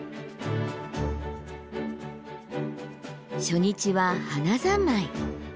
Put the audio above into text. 初日は花三昧！